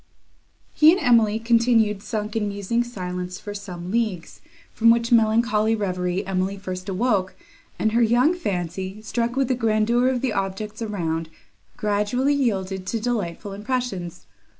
He and Emily continued sunk in musing silence for some leagues, from which melancholy reverie Emily first awoke, and her young fancy, struck with the grandeur of the objects around, gradually yielded to delightful impressions.